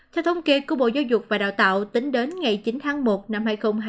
theo thông kê của bộ giáo dục và đào tạo tính đến ngày chín tháng một năm hai nghìn hai mươi